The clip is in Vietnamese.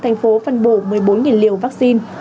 thành phố phân bổ một mươi bốn liều vaccine